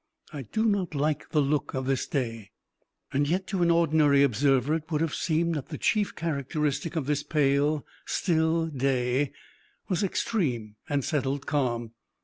I do not like the look of this day." Yet to an ordinary observer it would have seemed that the chief characteristic of this pale, still day was extreme and settled calm.